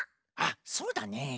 あっそうだね